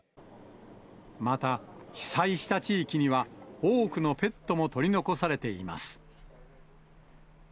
また、被災した地域には、多くのペットも取り残されています。